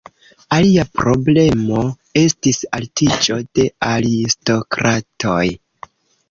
Alia problemo estis altiĝo de aristokratoj.